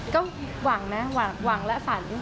ก็หวังนะหวังและฝัน